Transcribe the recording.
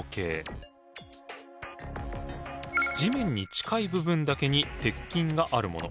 地面に近い部分だけに鉄筋があるもの。